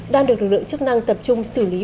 đang được lựa chức năng tập trung xử lý